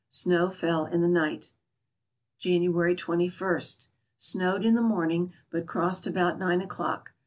Snow fell in the night. January 21. — Snowed in the morning, but crossed about nine o'clock.